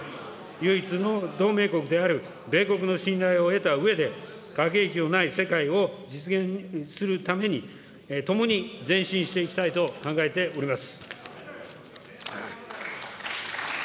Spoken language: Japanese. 唯一の同盟国である米国の信頼を得たうえで、核兵器のない世界を実現するために、共に前進していきたいと考えております。